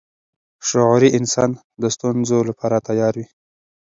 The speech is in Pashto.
شعوري انسان د ستونزو لپاره تیار وي.